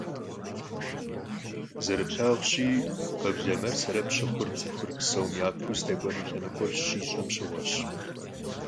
Zerıplhağuşi, kheblemer sebep şıxhur ts'ıxur psom yapeu zdek'uenu lhenıkhuer şiş'em şığueş.